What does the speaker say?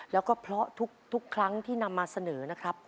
แล้วก็เพราะทุกครั้งที่นำมาเสนอนะครับ